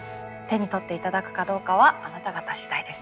手に取って頂くかどうかはあなた方次第です。